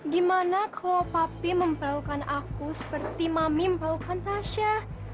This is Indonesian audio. gimana kalau papi memperlukan aku seperti mami memperlukan tasya